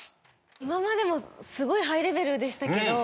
今までもすごいハイレベルでしたけど。